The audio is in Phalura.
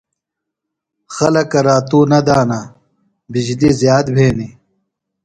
خلکہ راتُوۡ نہ دانہ۔ بجلیۡ زِیات بھینیۡ۔